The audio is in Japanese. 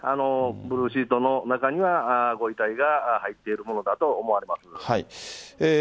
ブルーシートの中にはご遺体が入っているものだと思われます。